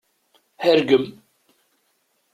Hergem!